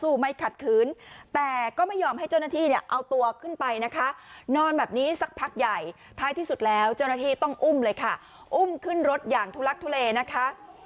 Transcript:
อุ้มขึ้นรถอย่างทุลักษณ์ทุเลนะคะ